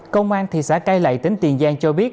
công an thị xã cai lậy tỉnh tiền giang cho biết